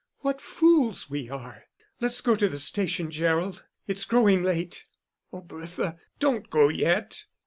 "What fools we are! Let's go to the station, Gerald; it's growing late." "Oh, Bertha, don't go yet."